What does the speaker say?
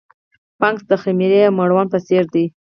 فنګس د خمیر او مړوند په څېر دي.